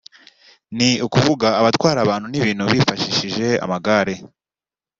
ni ukuvuga abatwara abantu n’ibintu bifashishije amagare